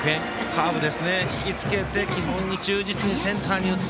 カーブですね引きつけて基本に忠実にセンターに打つ。